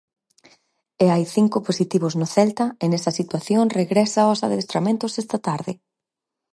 E hai cinco positivos no Celta e nesa situación regresa aos adestramentos esta tarde.